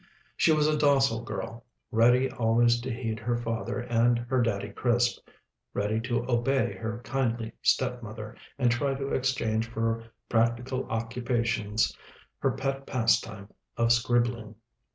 She was a docile girl, ready always to heed her father and her "Daddy Crisp," ready to obey her kindly stepmother, and try to exchange for practical occupations her pet pastime of scribbling.